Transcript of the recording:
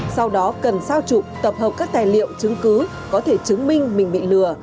sau đó cần sao chụp tập hợp các tài liệu chứng cứ có thể chứng minh mình bị lừa